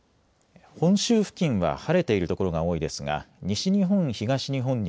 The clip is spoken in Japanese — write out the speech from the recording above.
本州付近は晴れている所が多いですが西日本、